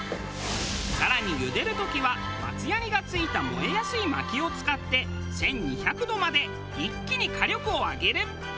更に茹でる時は松脂がついた燃えやすい薪を使って１２００度まで一気に火力を上げる！